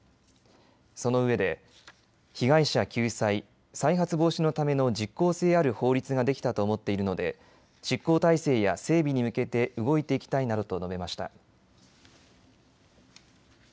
そのうえで被害者救済、再発防止のための実効性ある法律ができたと思っているので執行体制や整備に向けて動いていきたいなどと述べました。